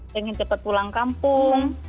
pengen cepat pulang kampung